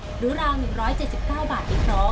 รูราว๑๗๙บาทในครอง